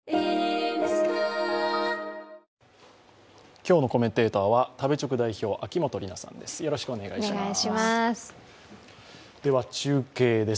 今日のコメンテーターは食べチョク代表、秋元里奈さんです。